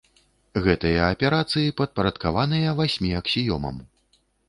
Гэтыя аперацыі падпарадкаваныя васьмі аксіёмам.